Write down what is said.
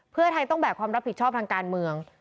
เพื่อไทยต้องแบกความรับผิดชอบทางการเมือง